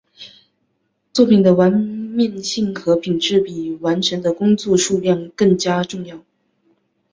作品的完面性和品质比完成的工作数量更加重要。